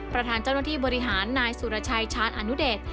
ประธานเจ้าหน้าที่บริหารนายสุรชัยชาญอนุเดช